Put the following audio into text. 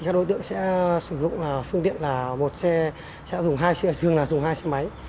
các đối tượng sẽ sử dụng phương tiện là một xe dường là dùng hai xe máy